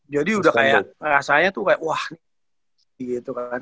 jadi udah kayak rasanya tuh kayak wah gitu kan